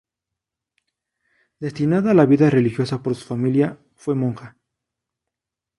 Destinada a la vida religiosa por su familia, fue monja.